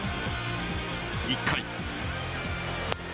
１回。